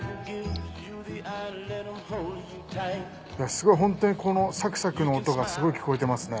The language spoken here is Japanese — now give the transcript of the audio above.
すごいホントにこのサクサクの音がすごい聞こえてますね。